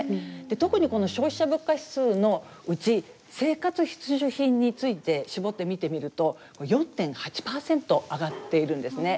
で特にこの消費者物価指数のうち生活必需品について絞って見てみるとこれ４．８％上がっているんですね。